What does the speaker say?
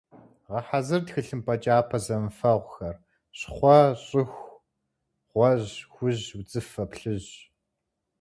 Гъэхьэзыр тхылъымпӀэ кӀапэ зэмыфэгъухэр: щхъуэ, щӀыху, гъуэжь, хужь, удзыфэ, плъыжь.